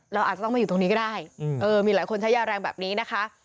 เราอาจจะต้องมาอยู่ตรงนี้ก็ได้มีหลายคนใช้ยาแรงแบบนี้นะคะ